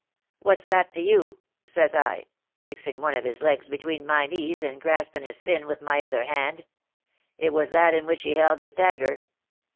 'What's that to you?' says I, fixing one of his legs between my knees, and grasping his 'fin' with my other hand; it was that in which he held his dagger.